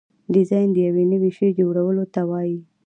ډیزاین د یو نوي شي جوړولو ته وایي.